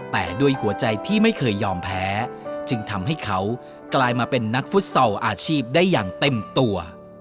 แต่ด้วยหัวใจที่ไม่เคยยอมแพ้จึงทำให้เขากลายมาเป็นนักฟุตซอลอาชีพได้อย่างเต็มตัว